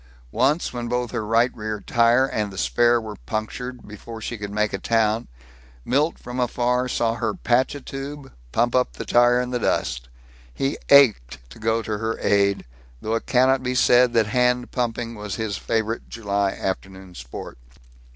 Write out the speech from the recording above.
Once, when both her right rear tire and the spare were punctured before she could make a town, Milt from afar saw her patch a tube, pump up the tire in the dust. He ached to go to her aid though it cannot be said that hand pumping was his favorite July afternoon sport.